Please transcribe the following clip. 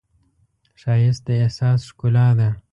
ښایست د احساس ښکلا ده